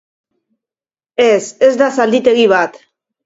Ez, ez da zalditegi bat.